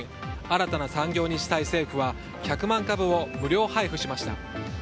新たな産業にしたい政府は１００万株を無料配布しました。